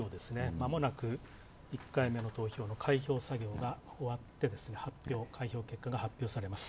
まもなく、１回目の投票の開票作業が終わって、開票結果が発表されます。